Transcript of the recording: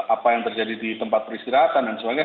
apa yang terjadi di tempat peristirahatan dan sebagainya